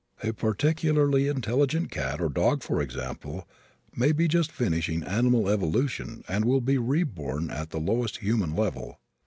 A particularly intelligent cat or dog, for example, may be just finishing animal evolution and will be reborn at the lowest human level.